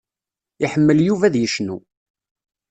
Iḥemmel Yuba ad yecnu.